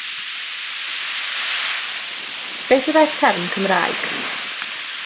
Beth fyddai'r term Cymraeg?